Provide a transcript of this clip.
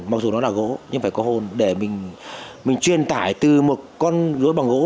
mặc dù nó là gỗ nhưng phải có hồn để mình truyền tải từ một con lúa bằng gỗ